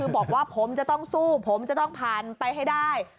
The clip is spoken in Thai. บอกว่าผมจะต้องสู้ผมจะต้องผ่านไปให้ได้